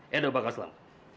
hedok bakal selam